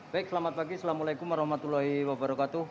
baik selamat pagi assalamualaikum warahmatullahi wabarakatuh